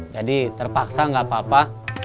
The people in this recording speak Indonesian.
jadi terpaksa gak apa apa